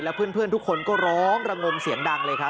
เพื่อนทุกคนก็ร้องระงมเสียงดังเลยครับ